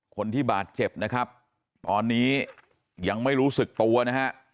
คนที่บาดเจ็บนะครับตอนนี้ยังไม่รู้สึกตัวนะฮะ